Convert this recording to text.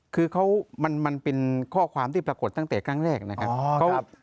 คือมันเป็นข้อความที่ปรากฏตั้งแต่ครั้งแรกนะครับ